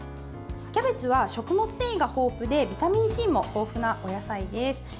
キャベツは食物繊維が豊富でビタミンＣも豊富なお野菜です。